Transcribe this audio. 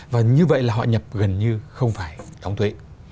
và như vậy là họ nhập gần như không phải đóng thuế